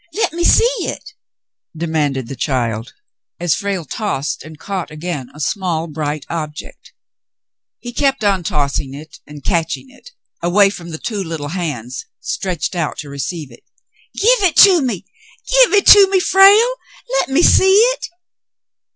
Let me see it," demanded the child, as Frale tossed and caught again a small, bright object. He kept on tossing it and catching it away from the two little hands stretched out to receive it. "Give it to me. Give it to me, Frale. Let me see it."